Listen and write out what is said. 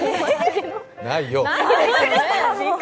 ないよ。